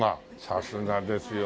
さすがですよね。